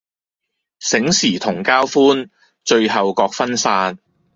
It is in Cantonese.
醒時同交歡，醉後各分散